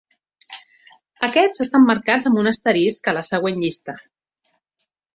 Aquests estan marcats amb un asterisc a la següent llista: